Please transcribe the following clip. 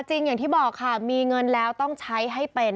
อย่างที่บอกค่ะมีเงินแล้วต้องใช้ให้เป็น